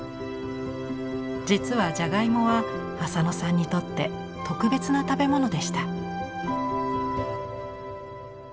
実はじゃがいもは浅野さんにとって特別な食べ物でした。